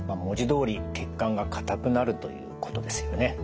文字どおり血管が硬くなるということですよね。